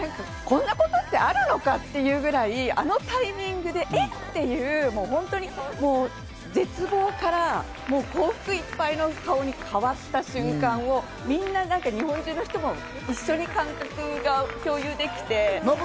こんなことってあるのかっていうぐらい、あのタイミングで、え！？っていう絶望から幸福いっぱいの顔に変わった瞬間をみんな、日本中の人も一緒に感覚を共有できて。